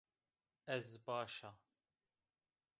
Ez baş a